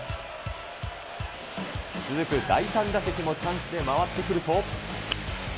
続く第３打席もチャンスで回ってくると。